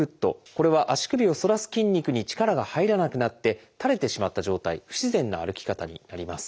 これは足首を反らす筋肉に力が入らなくなって垂れてしまった状態不自然な歩き方になります。